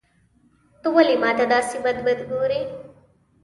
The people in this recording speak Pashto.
ته ولي ماته داسي بد بد ګورې.